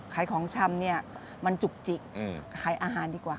ของชำเนี่ยมันจุกจิกขายอาหารดีกว่า